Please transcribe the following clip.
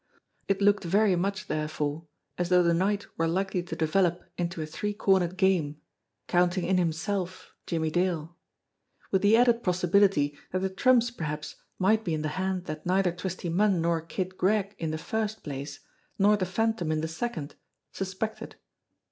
It looked very much therefore as though the night were likely to develop into a three cor nered game, counting in himself, Jimmie Dale, with the added possibility that the trumps perhaps might be in the hand that neither Twisty Munn nor Kid Gregg in the first place, nor the Phantom in the second, suspected